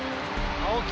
青木。